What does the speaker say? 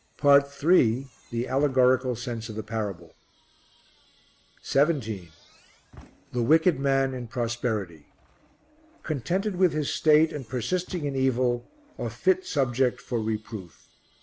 PART III The Allegorical Sense of the Parable 17. The Wicked Man in Prosperity contented with his state and persisting in evil, a fit subject for reproof.